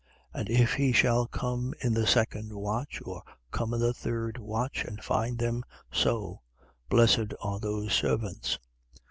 12:38. And if he shall come in the second watch or come in the third watch and find them so, blessed are those servants.